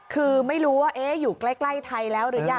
คือไม่รู้ว่าอยู่ใกล้ไทยแล้วหรือยัง